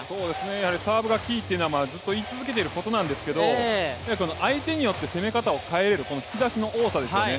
やはりサーブがキーというのはずっと言い続けていることなんですけど相手によって攻め方を変えられる引き出しの多さですよね。